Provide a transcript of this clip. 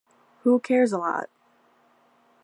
Who Cares a Lot?